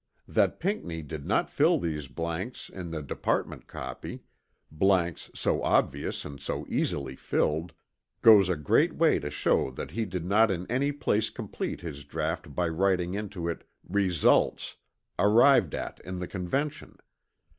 That Pinckney did not fill these blanks in the Department copy blanks so obvious and so easily filled goes a great way to show that he did not in any place complete his draught by writing into it "results" arrived at in the Convention.